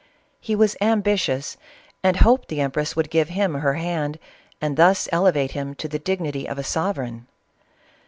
He was ambitious and hoped the empress would give him her hand, and thus elevate him to the dignity of a sovereign.